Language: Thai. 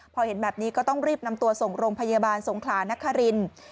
พอเห็นแบบนี้ก็ต้องรีบนำตัวส่งโรงพยาบาลสงขลานครินทร์